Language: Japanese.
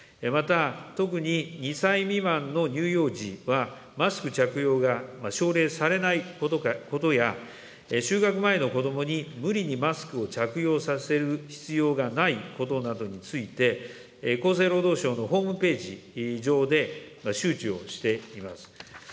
また、特に２歳未満の乳幼児はマスク着用が奨励されないことや、就学前の子どもに無理にマスクを着用させる必要がないことなどについて、厚生労働省のホームページ上で、周知をしています。